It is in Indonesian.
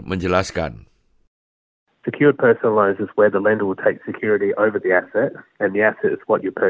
alasan kenapa penjaman pribadi utama mengambil keamanan